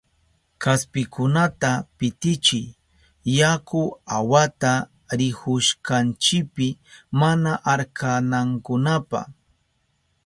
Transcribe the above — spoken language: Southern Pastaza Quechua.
Kaspikunata pitichiy yaku awata rihushkanchipi mana arkanankunapa.